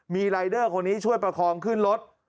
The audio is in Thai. มีรายเดอร์คนนี้ช่วยประคองขึ้นรถ